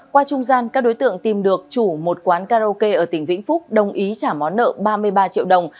qua trung gian các đối tượng tìm được chủ một quán karaoke ở tỉnh vĩnh phúc đồng ý trả món nợ ba mươi ba triệu đồng